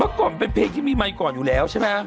อ๋อเพราะก่อนเป็นเพลงที่มีไมค์ก่อนอยู่แล้วใช่มั้ย